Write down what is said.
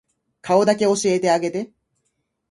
顔だけ教えてあげて